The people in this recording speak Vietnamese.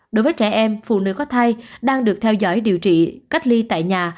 đối với trẻ em phụ nữ có thai đang được theo dõi điều trị cách ly tại nhà